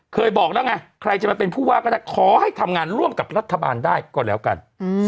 เคยบอกแล้วไงใครจะมาเป็นผู้ว่าก็ได้ขอให้ทำงานร่วมกับรัฐบาลได้ก็แล้วกัน